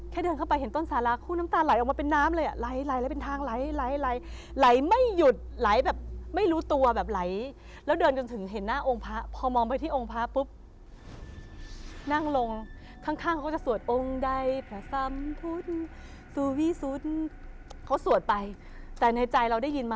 เขาทำคล่อมองค์ภาะไว้องค์ภาะปรากริณิพร